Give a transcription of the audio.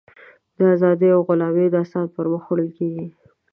د ازادیو او غلامیو داستان پر مخ وړل کېږي.